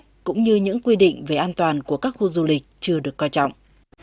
các du khách cũng như những quy định về an toàn của các khu du lịch chưa được coi trọng